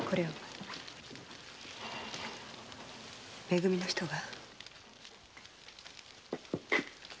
め組の人が？